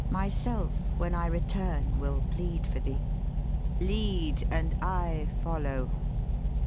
'Myself when I return will plead for thee. Lead, and I follow.'